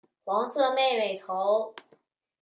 黄色妹妹头。